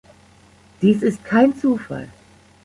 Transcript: Dies ist kein Zufall.